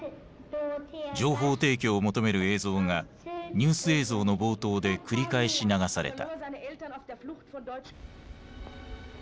情報提供を求める映像がニュース映像の冒頭で繰り返し流された。